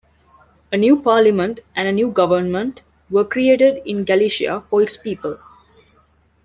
A new parliament and a new government were created in Galicia for its people.